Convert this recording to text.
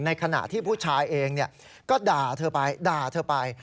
ขณะที่ผู้ชายเองก็ด่าเธอไปด่าเธอไป